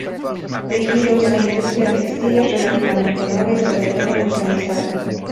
Tejidos: La industria textil es relativamente nueva y sobre todo mecanizada.